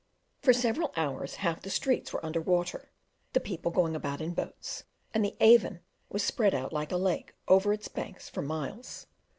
For several hours half the streets were under water, the people going about in boats, and the Avon was spread out like a lake over its banks for miles.